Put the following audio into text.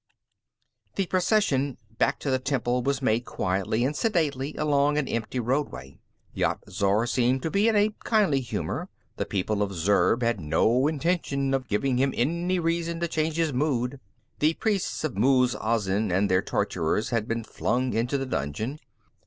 _"The procession back to the temple was made quietly and sedately along an empty roadway. Yat Zar seemed to be in a kindly humor; the people of Zurb had no intention of giving him any reason to change his mood. The priests of Muz Azin and their torturers had been flung into the dungeon.